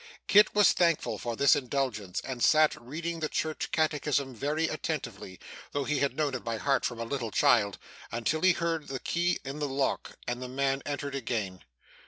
Kit was thankful for this indulgence, and sat reading the church catechism very attentively (though he had known it by heart from a little child), until he heard the key in the lock, and the man entered again.